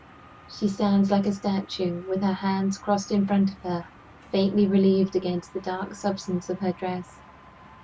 She stands like a statue, with her hands crossed in front of her, faintly relieved against the dark substance of her dress.